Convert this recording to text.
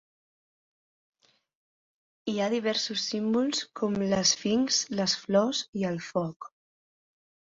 Hi ha diversos símbols, com l"esfinx, les flors i el foc.